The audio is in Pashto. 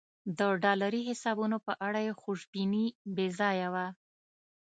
د ډالري حسابونو په اړه یې خوشبیني بې ځایه وه.